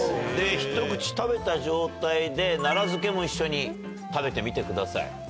ひと口食べた状態で奈良漬も一緒に食べてみてください。